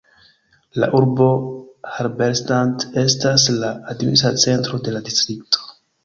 La urbo Halberstadt estas la administra centro de la distrikto.